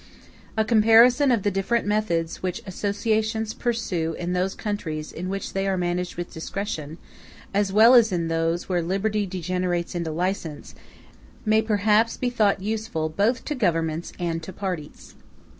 A comparison of the different methods which associations pursue in those countries in which they are managed with discretion, as well as in those where liberty degenerates into license, may perhaps be thought useful both to governments and to parties.